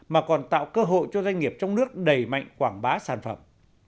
mà còn tạo cơ hội cho doanh nghiệp trong nước đầy mạnh quảng bá sản phẩm